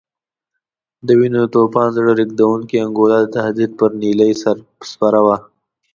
د وینو د توپان زړه رېږدونکې انګولا د تهدید پر نیلۍ سپره وه.